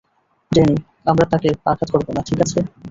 Danny, আমরা তাকে আঘাত করবো না, ঠিক আছে?